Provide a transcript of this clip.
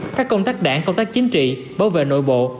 các công tác đảng công tác chính trị bảo vệ nội bộ